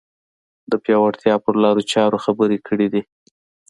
د پیاوړتیا پر لارو چارو خبرې کړې دي